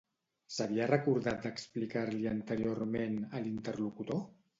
S'havia recordat d'explicar-li anteriorment, a l'interlocutor?